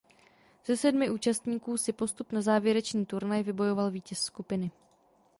Ze sedmi účastníků si postup na závěrečný turnaj vybojoval vítěz skupiny.